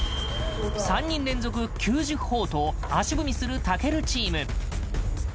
３人連続９０ほぉと足踏みする健チーム。